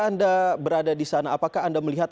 anda berada di sana apakah anda melihat